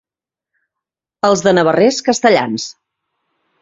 Els de Navarrés, castellans.